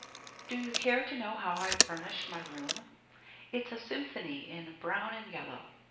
Do you care to know how I've furnished my room? It's a symphony in brown and yellow.